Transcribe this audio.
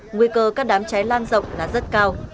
nguy cơ các đám cháy lan rộng là rất cao